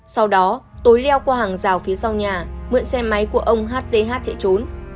sau đó tối leo qua hàng rào phía sau nhà mượn xe máy của ông hth chạy trốn